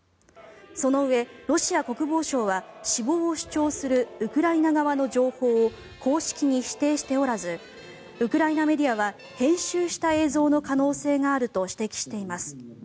そのうえ、ロシア国防省は死亡を主張するウクライナ側の情報を公式に否定しておらずウクライナメディアは編集した映像の可能性があると指摘しています。